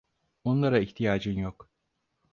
Onlara ihtiyacın yok.